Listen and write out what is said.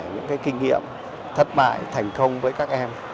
những kinh nghiệm thất bại thành công với các em